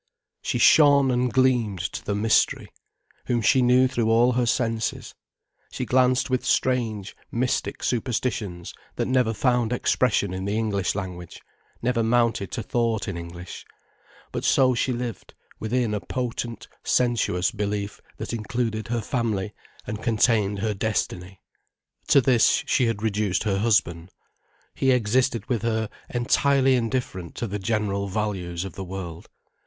She shone and gleamed to the Mystery, Whom she knew through all her senses, she glanced with strange, mystic superstitions that never found expression in the English language, never mounted to thought in English. But so she lived, within a potent, sensuous belief that included her family and contained her destiny. To this she had reduced her husband. He existed with her entirely indifferent to the general values of the world.